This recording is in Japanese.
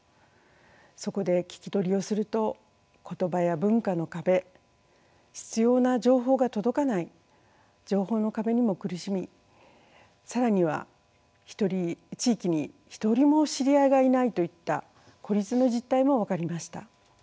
そこで聞き取りをすると言葉や文化の壁必要な情報が届かない情報の壁にも苦しみ更には地域に一人も知り合いがいないといった孤立の実態も分かりました。